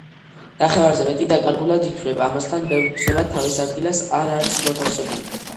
ნახევარზე მეტი დაკარგულად ითვლება; ამასთან ბევრი ცნობა თავის ადგილას არ არის მოთავსებული.